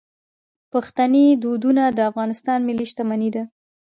پښتني دودونه د افغانستان ملي شتمني ده.